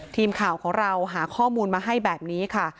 ทีมข่าวของเราหาข้อมูลมาให้แบบนี้ค่ะ